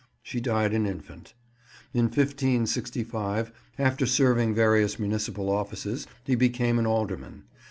She died an infant. In 1565, after serving various municipal offices, he became an alderman.